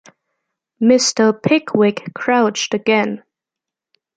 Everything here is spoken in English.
Mr. Pickwick crouched again.